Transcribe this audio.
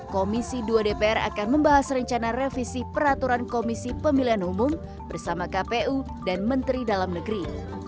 komisi dua dpr akan membahas rencana revisi peraturan komisi pemilihan umum bersama kpu dan menteri dalam negeri